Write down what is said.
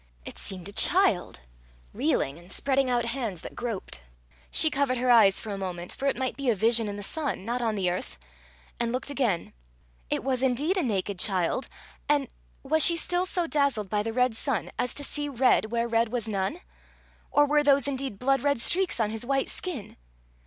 It seemed a child reeling, and spreading out hands that groped. She covered her eyes for a moment, for it might be a vision in the sun, not on the earth and looked again. It was indeed a naked child! and was she still so dazzled by the red sun as to see red where red was none? or were those indeed blood red streaks on his white skin?